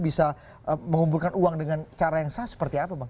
bisa mengumpulkan uang dengan cara yang sah seperti apa bang